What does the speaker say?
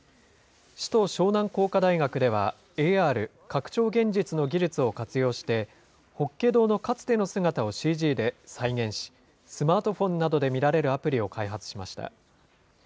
市と湘南工科大学では、ＡＲ・拡張現実の技術を活用して、法華堂のかつての姿をＣＧで再現し、スマートフォンなどで見られるアプリを開発しました。